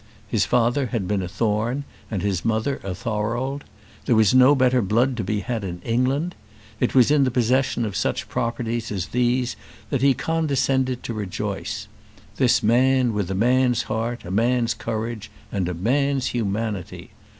His father had been a Thorne, and his mother a Thorold. There was no better blood to be had in England. It was in the possession of such properties as these that he condescended to rejoice; this man, with a man's heart, a man's courage, and a man's humanity!